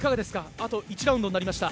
あと１ラウンドになりました。